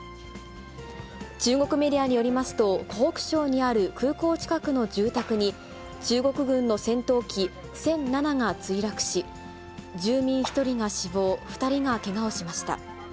中国メディアによりますと、湖北省にある空港近くの住宅に、中国軍の戦闘機、殲７が墜落し、住民１人が死亡、２人がけがをしました。